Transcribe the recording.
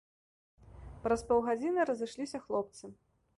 Праз паўгадзіны разышліся хлопцы.